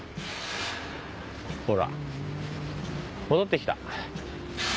ほら戻ってきた。